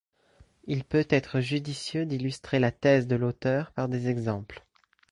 Il peut être judicieux d'illustrer la thèse de l'auteur par des exemples.